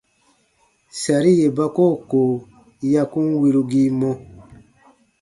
Sari yè ba koo ko ya kun wirugii mɔ.